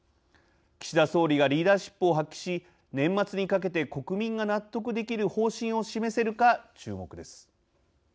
岸田総理がリーダーシップを発揮し年末にかけて国民が納得できる方針を示せるか注目です。